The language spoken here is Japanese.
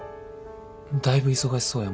だいぶ忙しそうやもんな。